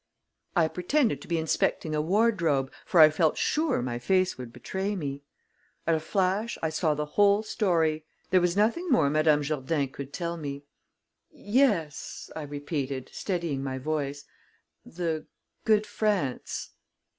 I pretended to be inspecting a wardrobe, for I felt sure my face would betray me. At a flash, I saw the whole story. There was nothing more Madame Jourdain could tell me. "Yes," I repeated, steadying my voice, "the good France."